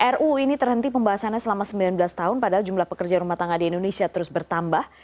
ruu ini terhenti pembahasannya selama sembilan belas tahun padahal jumlah pekerja rumah tangga di indonesia terus bertambah